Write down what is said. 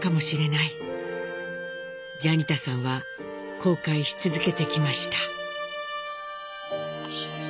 ジャニタさんは後悔し続けてきました。